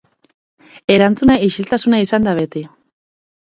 Erantzuna isiltasuna izan da beti.